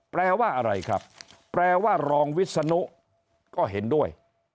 แปลว่าอะไรครับแปลว่ารองวิศนุก็เห็นด้วย